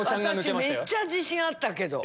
私めっちゃ自信あったけど。